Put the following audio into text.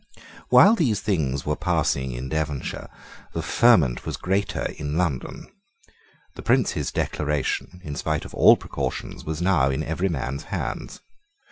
While these things were passing in Devonshire the ferment was great in London. The Prince's Declaration, in spite of all precautions, was now in every man's hands.